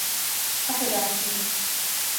Afedersiniz.